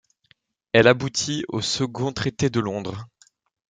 Elle aboutit au second traité de Londres.